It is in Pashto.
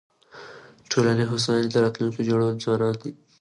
د ټولني د هوساینې د راتلونکي جوړونکي ځوانان دي.